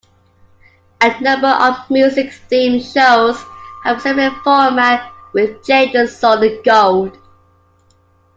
A number of music themed shows have a similar format with Jade Solid Gold.